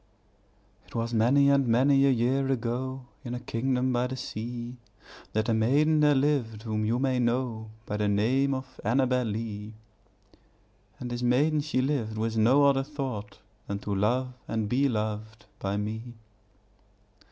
It was many and many a year ago, In a kingdom by the sea, That a maiden there lived whom you may know By the name of Annabel Lee; And this maiden she lived with no other thought Than to love and be loved by me.